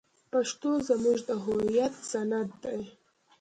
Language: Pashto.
پښتو زموږ د هویت سند دی.